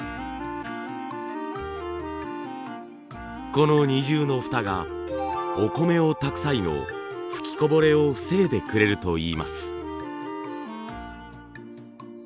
この二重の蓋がお米を炊く際の噴きこぼれを防いでくれるといいます。